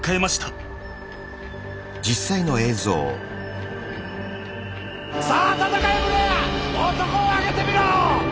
男をあげてみろ！